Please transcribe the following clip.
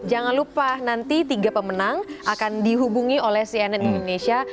jangan lupa nanti tiga pemenang akan dihubungi oleh cnn indonesia